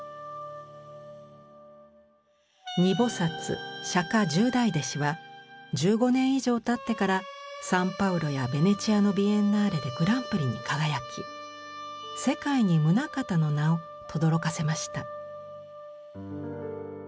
「二菩釈十大弟子」は１５年以上たサンパウロやベネチアのビエンナーレでグランプリに輝き世界に棟方の名をとどろかせました。